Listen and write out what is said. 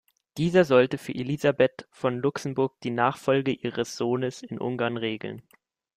Dieser sollte für Elisabeth von Luxemburg die Nachfolge ihres Sohnes in Ungarn regeln.